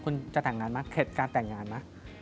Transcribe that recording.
คุณจะแต่งงานมาเหตุการแต่งงานมา